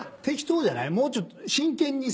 もうちょっと真剣にさ。